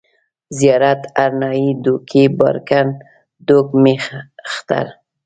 زيارت، هرنايي، دوکۍ، بارکن، دوگ، مېختر